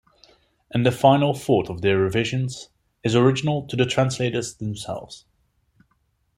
And the final fourth of their revisions is original to the translators themselves.